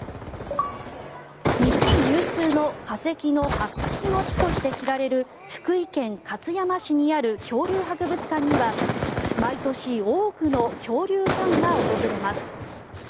日本有数の化石の発掘の地として知られる福井県勝山市にある恐竜博物館には毎年、多くの恐竜ファンが訪れます。